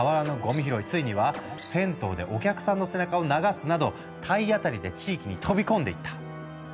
ついには銭湯でお客さんの背中を流すなど体当たりで地域に飛び込んでいった。